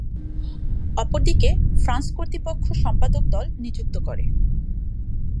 অপরদিকে, ফ্রান্স কর্তৃপক্ষ সম্পাদক দল নিযুক্ত করে।